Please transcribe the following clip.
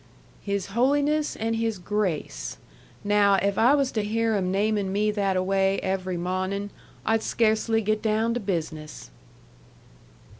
"His Holiness and his Grace. Now if I was to hear 'em namin' me that a way every mawnin', I'd sca'cely get down to business."